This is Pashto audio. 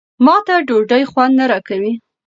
ما ته ډوډۍ خوند نه راکوي.